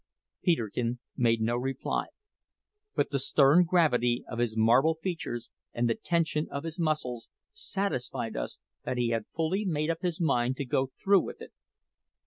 Peterkin made no reply; but the stern gravity of his marble features, and the tension of his muscles, satisfied us that he had fully made up his mind to go through with it.